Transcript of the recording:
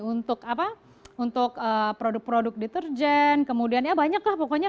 untuk produk produk deterjen kemudian ya banyak lah pokoknya